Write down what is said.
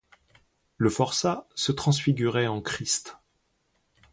Le forçat se transfigurait en Christ.